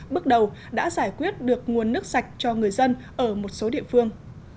bước đầu đã giải quyết được nguồn nước sạch cho người dân ở một số địa phương